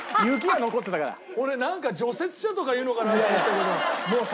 俺なんか除雪車とか言うのかなと思ったけど。